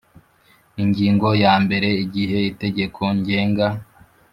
Ingingo ya mbere Igihe itegeko ngenga